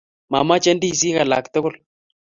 Mamache ndisik alak tugul